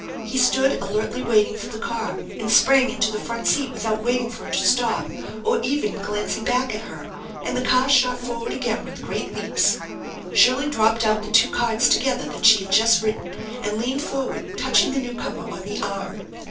He stood alertly waiting for the car and sprang into the front seat 350 THE ENCHANTED BARN without waiting for it to stop, or even glancing back at her, and the car shot forward again with great leaps. Shirley dropped out the two cards together that she had just written and leaned forward, touching the newcomer on the arm.